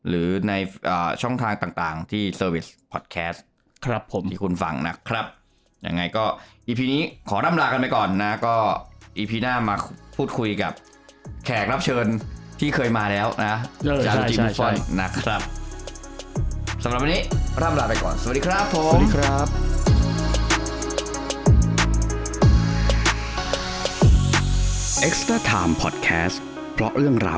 ล่าสุดจับวันเวิร์ดด้วยนะเสียวะโตเลย